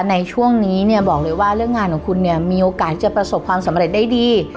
ในช่วงนี้เนี่ยบอกเลยว่าเรื่องงานของคุณเนี่ยมีโอกาสจะประสบความสำเร็จได้ดี